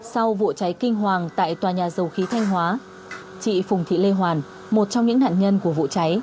sau vụ cháy kinh hoàng tại tòa nhà dầu khí thanh hóa chị phùng thị lê hoàn một trong những nạn nhân của vụ cháy